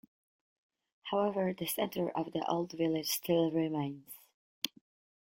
However the centre of the old village still remains.